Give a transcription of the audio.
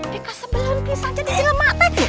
dekat sebelum pisan jadi jelmati